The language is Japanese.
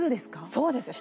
そうですよ。